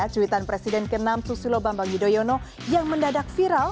cuitan presiden ke enam susilo bambang yudhoyono yang mendadak viral